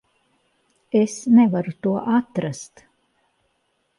Es nevaru to atrast.